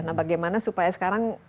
nah bagaimana supaya sekarang